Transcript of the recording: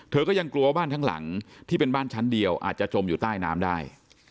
เธอก็ยังกลัวว่าบ้านทั้งหลังที่เป็นบ้านชั้นเดียวอาจจะจมอยู่ใต้น้ำได้